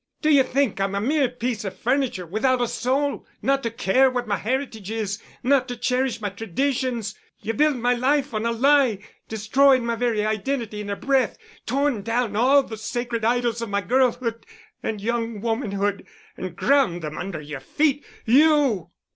Do you think I'm a mere piece of furniture without a soul, not to care what my heritage is, not to cherish my traditions——? You've built my life on a lie, destroyed my very identity in a breath, torn down all the sacred idols of my girlhood and young womanhood and ground them under your feet. You!"